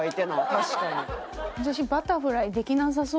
確かに。